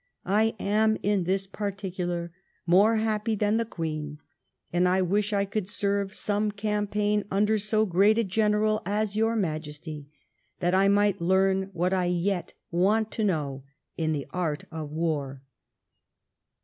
I am in this particular more happy than the queen, and I wish I could serve some campaign under so great a general as your Majesty, that I might learn what I yet want to know in the art of war.'